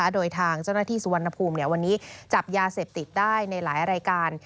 โดยทางเจ้าหน้าที่สุวรรณภูมิวันนี้จับยาเสพติดได้ในหลายรายการ